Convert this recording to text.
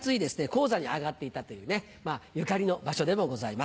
高座に上がっていたというゆかりの場所でもございます。